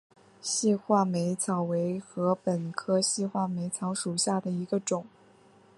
细画眉草为禾本科细画眉草属下的一个种。